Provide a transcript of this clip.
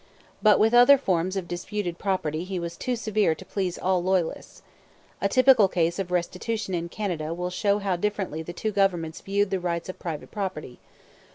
But with other forms of disputed property he was too severe to please all Loyalists. A typical case of restitution in Canada will show how differently the two governments viewed the rights of private property.